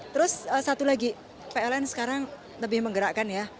terus satu lagi pln sekarang lebih menggerakkan ya